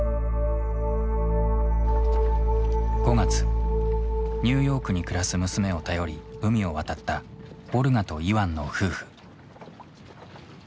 ５月ニューヨークに暮らす娘を頼り海を渡ったオルガとイワンの夫婦。